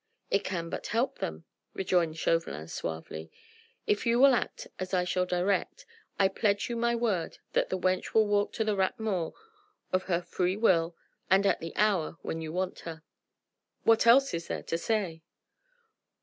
"It can but help them," rejoined Chauvelin suavely. "If you will act as I shall direct I pledge you my word that the wench will walk to the Rat Mort of her free will and at the hour when you want her. What else is there to say?"